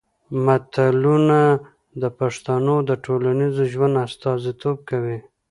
متلونه د پښتنو د ټولنیز ژوند استازیتوب کوي